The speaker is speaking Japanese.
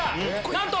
なんと！